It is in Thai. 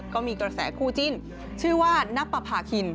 ก็มีกระแสคู่จิ้นชื่อว่านับประพาคิน